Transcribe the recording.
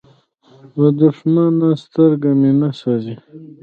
له دښمنه سترګه مې نه سوزي.